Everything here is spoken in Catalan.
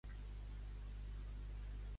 Què ha comentat sobre la milícia espanyola?